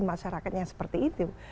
masyarakatnya seperti itu